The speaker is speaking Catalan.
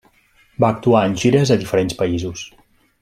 Va actuar en gires a diferents països.